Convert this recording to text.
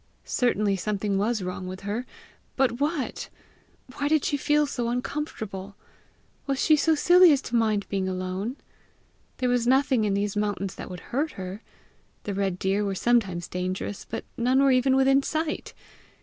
Certainly something was wrong with her but what? Why did she feel so uncomfortable? Was she so silly as mind being alone? There was nothing in these mountains that would hurt her! The red deer were sometimes dangerous, but none were even within sight!